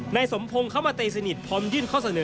นายสมพงศ์เข้ามาตีสนิทพร้อมยื่นข้อเสนอ